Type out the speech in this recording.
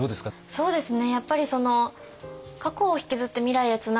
そうですね。